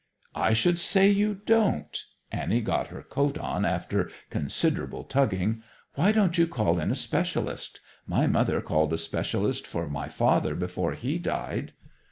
"I should say you don't!" Annie got her coat on after considerable tugging. "Why don't you call in a specialist? My mother called a specialist for my father before he died."